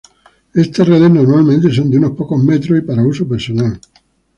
Estas redes normalmente son de unos pocos metros y para uso personal.